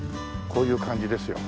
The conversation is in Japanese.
こういう感じですよ。